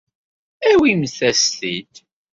Awimt-as-t-id.